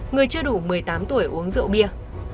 người chưa đủ một mươi tám tuổi uống rượu bia